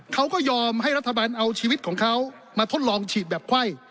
เขาก็ยอมให้รัฐบาลเอาชีวิตของเขามาทดลองฉีดแบบไข้